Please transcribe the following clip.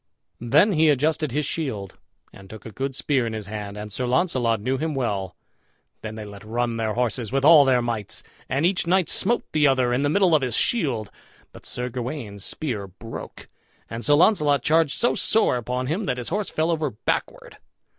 Then he adjusted his shield, and took a good spear in his hand, and Sir Launcelot knew him well. Then they let run their horses with all their mights, and each knight smote the other in the middle of his shield. But Sir Gawain's spear broke, and Sir Launcelot charged so sore upon him that his horse fell over backward.